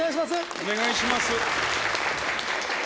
お願いします。